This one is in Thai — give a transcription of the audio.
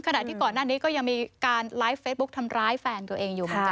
ขณะที่ก่อนหน้านี้ก็ยังมีการไลฟ์เฟซบุ๊คทำร้ายแฟนตัวเองอยู่เหมือนกัน